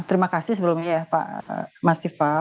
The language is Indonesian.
terima kasih sebelumnya pak mastifa